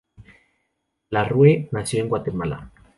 La Rue nació en Guatemala.